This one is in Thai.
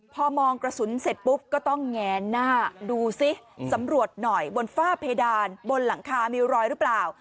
พอมองกระสุนเสร็จปุ๊บก็ต้องแงนหน้าดูซิสำรวจหน่อยบนฝ้าเพดานบนหลังคามีรอยหรือเปล่า